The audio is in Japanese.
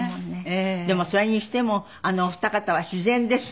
でもそれにしてもあのお二方は自然ですね。